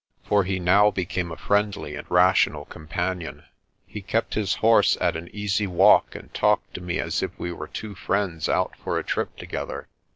For he now became a friendly and rational companion. He kept his horse at an easy walk and talked to me as if we were two friends out for a trip together.